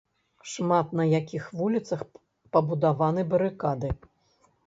Шмат на якіх вуліцах пабудаваны барыкады.